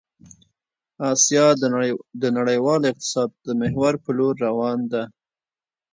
آسيا د نړيوال اقتصاد د محور په لور روان ده